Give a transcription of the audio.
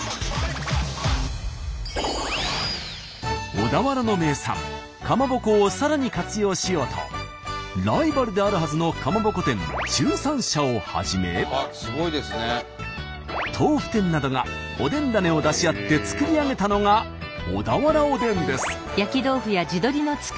小田原の名産かまぼこをさらに活用しようとライバルであるはずのかまぼこ店１３社をはじめ豆腐店などがおでん種を出し合って作り上げたのが小田原おでんです。